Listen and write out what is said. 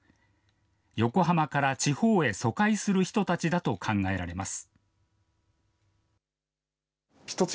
横浜から地方へ疎開する人たちだと考えられます。